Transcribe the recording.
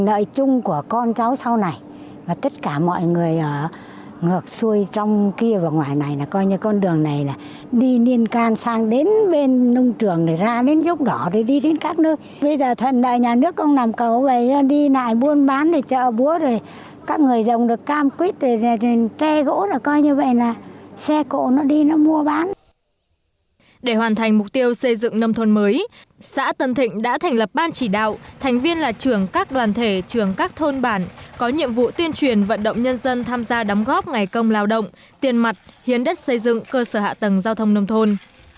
để hoàn thành mục tiêu xây dựng nông thôn mới xã tần thịnh đã thành lập ban chỉ đạo thành viên là trưởng các đoàn thể trưởng các thôn bản có nhiệm vụ tuyên truyền vận động nhân dân tham gia đóng góp ngày công lao động tiền mặt hiến đất xây dựng cơ sở hạ tầng giao thông nông thôn